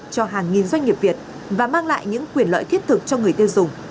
cho hàng nghìn doanh nghiệp việt và mang lại những quyền lợi thiết thực cho người tiêu dùng